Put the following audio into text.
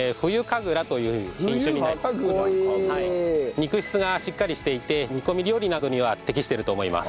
肉質がしっかりしていて煮込み料理などには適していると思います。